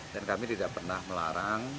dan kami tidak pernah melarang